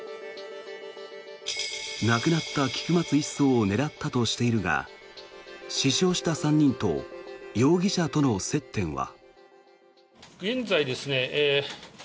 曹を狙ったとしているが死傷した３人と容疑者との接点は。